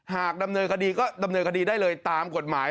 หากดำเนินคดีก็ดำเนินคดีได้เลยตามกฎหมาย